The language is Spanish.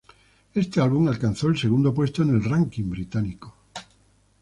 Este álbum alcanzó el segundo puesto en el ranking británico.